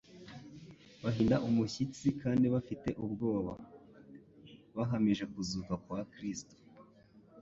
Bahinda umushyitsi kandi bafite ubwoba, bahamije kuzuka kwa Kristo.